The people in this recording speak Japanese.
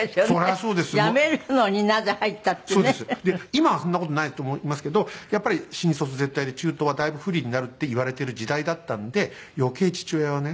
今はそんな事ないと思いますけどやっぱり新卒絶対で中途はだいぶ不利になるっていわれてる時代だったので余計父親はね